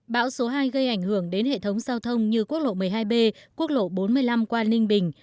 bão số hai gây ảnh hưởng đến hệ thống giao thông như quốc lộ một mươi hai b quốc lộ bốn mươi năm qua ninh bình